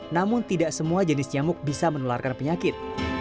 namun tidak semua jenis nyamuk bisa menularkan penyakit